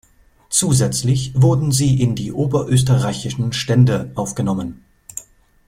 Zusätzlich wurden sie in die oberösterreichischen Stände aufgenommen.